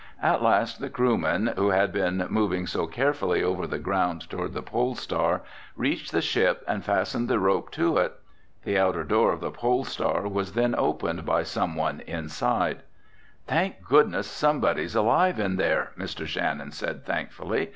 At last the crewmen, who had been moving so carefully over the ground toward the Pole Star, reached the ship and fastened the rope to it. The outer door of the Pole Star was then opened by someone inside. "Thank goodness somebody's alive in there!" Mr. Shannon said thankfully.